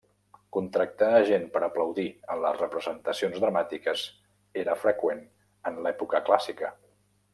Contractar a gent per a aplaudir en les representacions dramàtiques era freqüent en l'època clàssica.